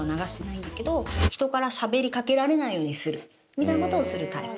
みたいなことをするタイプ。